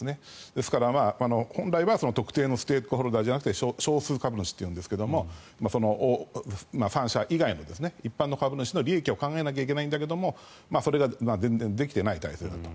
ですから、本来は特定のステークホルダーじゃなくて少数株主といいますが３社以外の一般の株主の利益を考えなきゃいけないんだけどそれが全然できてない体制だと。